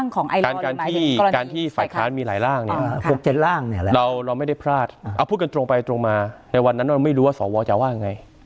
การที่ฝ่ายค้านมีหลายร่างเราไม่ได้พลาดพูดกันตรงไปตรงมาในวันนั้นเราไม่รู้ว่าสวจะว่าอย่างไร